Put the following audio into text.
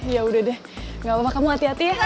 ya udah deh gak apa apa kamu hati hati ya